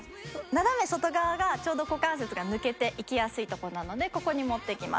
斜め外側がちょうど股関節が抜けていきやすいとこなのでここに持っていきます。